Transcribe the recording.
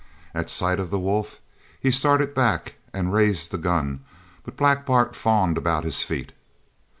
At sight of the wolf he started back and raised the gun, but Black Bart fawned about his feet.